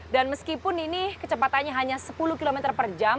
meskipun ini kecepatannya hanya sepuluh km per jam